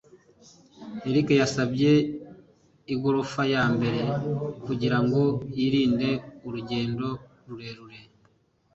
Eric yasabye igorofa ya mbere kugirango yirinde urugendo rurerure.